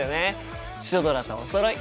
シュドラとおそろい！